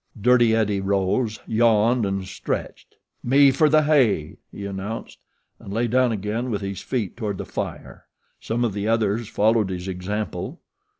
Dirty Eddie rose, yawned and stretched. "Me fer the hay," he announced, and lay down again with his feet toward the fire. Some of the others followed his example.